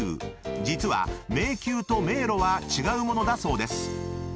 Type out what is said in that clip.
［実は「迷宮」と「迷路」は違うものだそうです］